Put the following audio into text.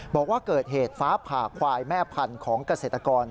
บอกว่าเกิดเหตุฟ้าผ่าควายแม่พันธุ์ของเกษตรกร